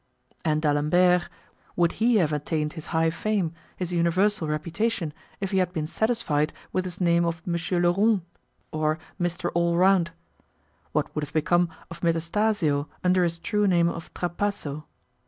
And D'Alembert, would he have attained his high fame, his universal reputation, if he had been satisfied with his name of M. Le Rond, or Mr. Allround? What would have become of Metastasio under his true name of Trapasso?